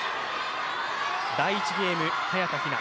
第１ゲーム早田ひな。